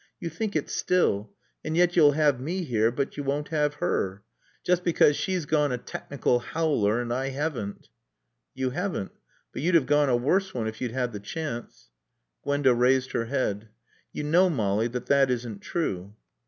You think it still. And yet you'll have me here but you won't have her. Just because she's gone a technical howler and I haven't." "You haven't. But you'd have gone a worse one if you'd had the chance." Gwenda raised her head. "You know, Molly, that that isn't true."